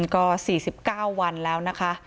ก็๔๙วันแล้วนะคะ